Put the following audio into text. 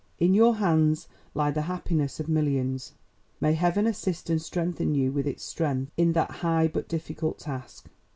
In your hands lie the happiness of millions. May Heaven assist and strengthen you with its strength in that high but difficult task!